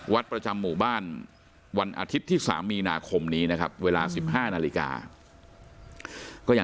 วัดประจำหมู่บ้านวันอาทิตย์ที่๓นาคมนี้เวลา๑๕นาฬิกา